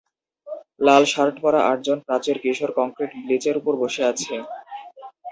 লাল shirt পরা আটজন প্রাচ্যের কিশোর কংক্রিট ব্লিচের উপর বসে আছে।